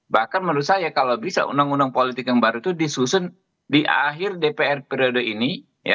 bahkan menurut saya kalau bisa undang undang politik yang baru itu disusun di akhir dpr periode ini